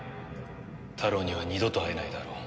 タロウには二度と会えないだろう。